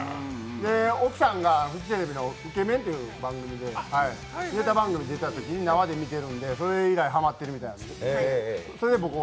奥さんがフジテレビの「ウケメン」というネタ番組で生で見ているので、それ以来ハマってるみたいなんです。